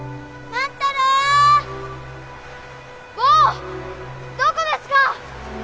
坊どこですか？